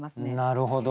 なるほど。